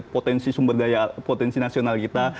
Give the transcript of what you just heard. potensi sumber daya potensi nasional kita